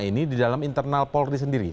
ini di dalam internal polri sendiri